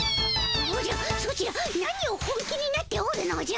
おじゃソチら何を本気になっておるのじゃ。